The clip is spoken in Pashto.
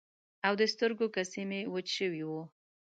او د سترګو کسی مې وچ شوي وو.